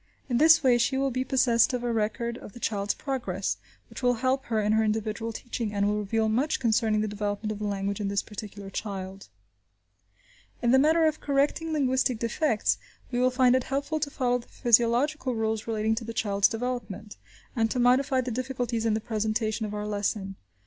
In this way she will be possessed of a record of the child's progress, which will help her in her individual teaching, and will reveal much concerning the development of the language in this particular child. In the matter of correcting linguistic defects, we will find it helpful to follow the physiological rules relating to the child's development, and to modify the difficulties in the presentation of our lesson.